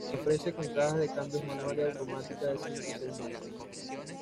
Se ofrece con cajas de cambios manual y automática de cinco y seis marchas.